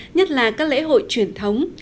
nhất là các lễ hội truyền thống